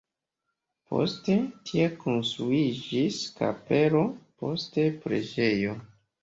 Poste tie konstruiĝis kapelo, poste preĝejo.